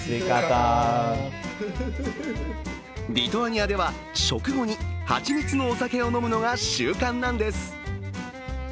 リトアニアでは、食後に蜂蜜のお酒を飲むのが習慣なんです。